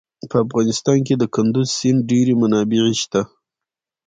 په افغانستان کې د کندز سیند ډېرې منابع شته.